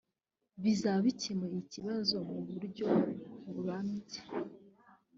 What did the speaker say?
bizaba bikemuye ikibazo mu buryo burambye